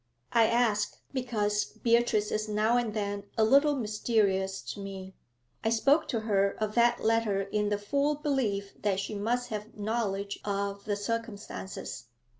'I ask because Beatrice is now and then a little mysterious to me. I spoke to her of that letter in the full belief that she must have knowledge of the circumstances.